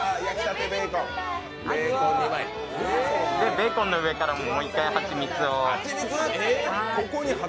ベーコンの上からも、もう１回蜂蜜を。